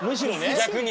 逆に。